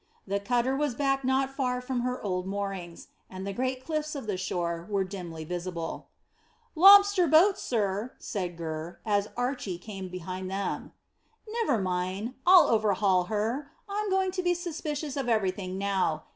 The cutter was back not far from her old moorings, and the great cliffs of the shore were dimly visible. "Lobster boat, sir," said Gurr, as Archy came behind them. "Never mind! I'll overhaul her. I'm going to be suspicious of everything now.